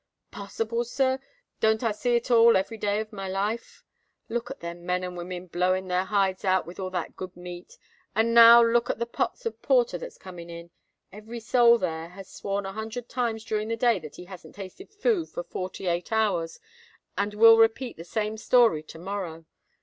"Possible, sir! Don't I see it all every day of my life? Look at them men and women blowing their hides out with all that good meat; and now look at the pots of porter that's coming in. Every soul there has sworn a hundred times during the day that he hasn't tasted food for forty eight hours, and will repeat the same story to morrow.